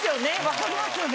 分かりますよね？